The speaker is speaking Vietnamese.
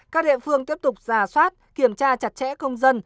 các địa phương tiếp tục giả soát kiểm tra chặt chẽ công dân